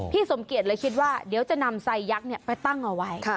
สมเกียจเลยคิดว่าเดี๋ยวจะนำไซยักษ์ไปตั้งเอาไว้